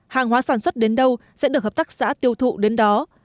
hàng hóa sản xuất đến đâu sẽ được hợp tác xã tiêu thụ đến đó